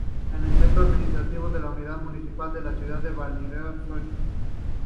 Es el centro administrativo de la unidad municipal de la ciudad-balneario de Sochi.